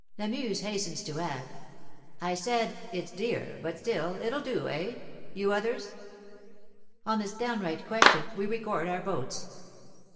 Lamuse hastens to add, "I said 'It's dear,' but still, it'll do, eh, you others?" On this downright question we record our votes.